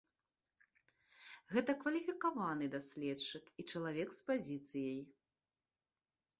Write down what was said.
Гэта кваліфікаваны даследчык і чалавек з пазіцыяй.